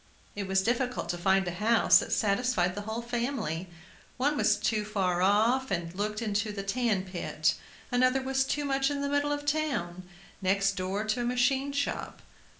It was difficult to find a house that satisfied the whole family. One was too far off, and looked into a tan pit; another was too much in the middle of the town, next door to a machine shop.